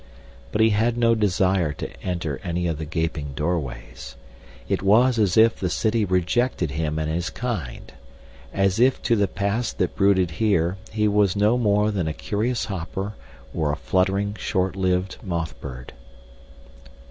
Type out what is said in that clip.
But he had no desire to enter any of the gaping doorways. It was as if the city rejected him and his kind, as if to the past that brooded here he was no more than a curious hopper or a fluttering, short lived moth bird.